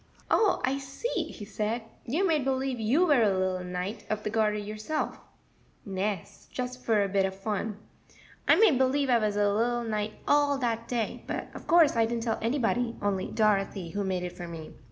"Oh, I see," he said; "you made believe you were a little Knight of the Garter yourself." "Nes; just for a bit of fun, I made believe I was a little knight all dat day; but of course I didn't tell anybody, only Dorothy, who made it for me.